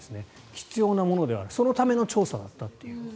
必要なものであるそのための調査だったということです。